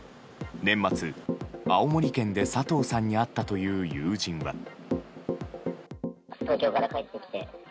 年末、青森県で佐藤さんに会ったという友人は。